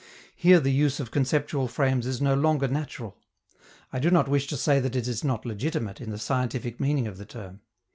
Here the use of conceptual frames is no longer natural. I do not wish to say that it is not legitimate, in the scientific meaning of the term.